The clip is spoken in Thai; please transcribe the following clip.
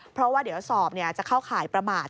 เพราะว่าเดี๋ยวสอบจะเข้าข่ายประมาท